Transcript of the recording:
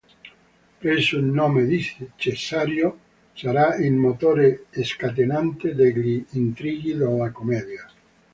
Preso il nome di Cesario, sarà il motore scatenante degli intrighi della commedia.